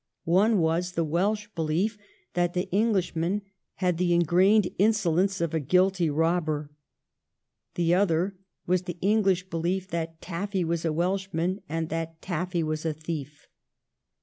' One was the Welsh belief that the Englishman had the ingrained insolence of a guilty robber. The other was the English belief that Tafiy was a Welshman and that Tafiy was a thief.'